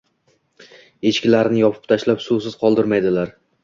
Eshiklarni yopib tashlab, suvsiz qoldirmaydilar